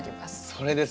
それです！